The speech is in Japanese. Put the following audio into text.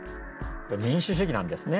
民主主義なんですね。